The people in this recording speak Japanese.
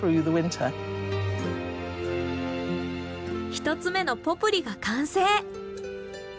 １つ目のポプリが完成。